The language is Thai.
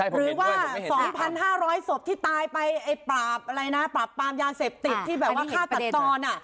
หรือว่า๒๕๐๐ศพที่ตายไปไอ้ปราบอะไรนะปราบปรามยาเสพติดที่แบบว่าฆ่าตัดตอน